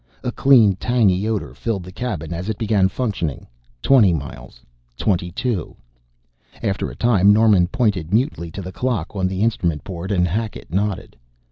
A clean, tangy odor filled the cabin as it began functioning. Twenty miles twenty two After a time Norman pointed mutely to the clock on the instrument board, and Hackett nodded.